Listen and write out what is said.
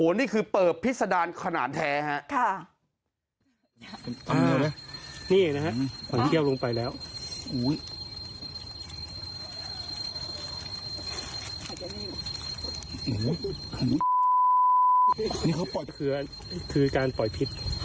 นี่คือเปิบพิษดารขนาดแท้ครับ